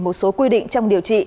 một số quy định trong điều trị